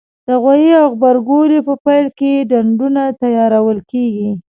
د غويي او غبرګولي په پیل کې ډنډونه تیارول کېږي.